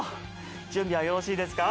準備はよろしいですか？